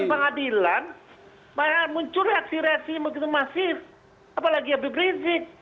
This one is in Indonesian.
maksudnya muncul reaksi reaksi masif apalagi lebih rizik